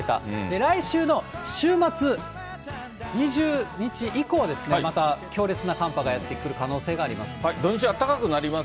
来週の週末、２０日以降、また強烈な寒波がやって来る可能性があります。